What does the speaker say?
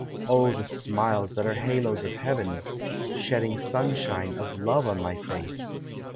0 the smiles that are halos of heaven, Shedding sunshine of love on my face!